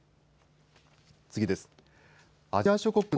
次です。